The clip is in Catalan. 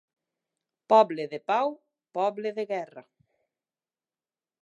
Poble de Pau, poble de guerra.